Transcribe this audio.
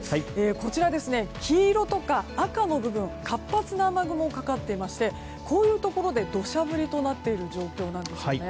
こちら黄色とか赤の部分活発な雨雲がかかっていましてこういうところで土砂降りとなっている状況です。